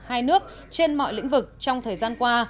hai nước trên mọi lĩnh vực trong thời gian qua